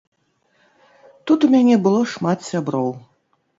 Тут у мяне было шмат сяброў.